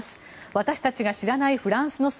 私たちが知らないフランスの姿。